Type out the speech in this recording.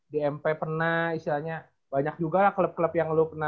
di mp pernah istilahnya banyak juga klub klub yang lu pernah